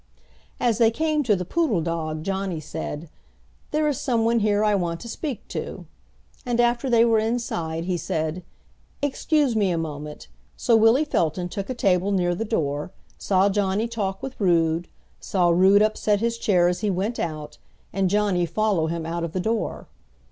"As they came to the Poodle Dog Johnny said, 'There is some one here I want to speak to.' And after they were inside he said, 'Excuse me a moment,' so Willie Felton took a table near the door, saw Johnny talk with Rood, saw Rood upset his chair as he went out, and Johnny follow him out of the door.